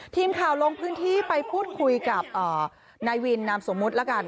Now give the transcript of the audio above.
ทีมข่าวลงพื้นที่ไปพูดคุยกับนายวินนามสมมุติละกัน